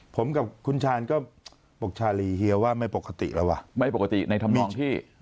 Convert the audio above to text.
ผมกับคุณชาญก็ปกชาลีเฮียว่าไม่ปกติแล้วว่ะไม่ปกติในธรรมนองที่